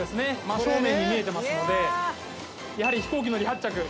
真正面に見えてますのでやはり飛行機の離発着非常に頻繁に。